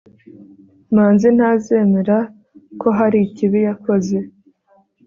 manzi ntazemera ko hari ikibi yakoze